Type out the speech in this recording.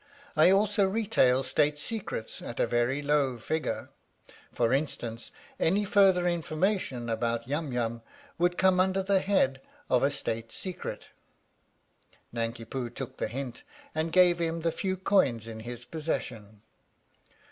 I also retail State Secrets at a very low figure. For instance, any further information about Yum Yum would come under the head of a State Secret." Nanki Poo took the hint and gave him the few coins in his possession.